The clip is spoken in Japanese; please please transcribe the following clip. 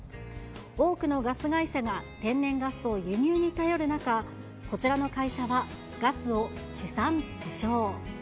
多くのガス会社が天然ガスを輸入に頼る中、こちらの会社はガスを地産地消。